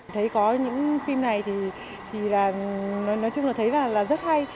thấy có những phim này thì nói chung là thấy rất hay